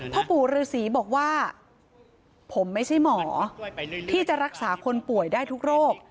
พ่อปู่ฤษีบอกว่าผมไม่ใช่หมอที่จะรักษาคนป่วยได้ทุกโรค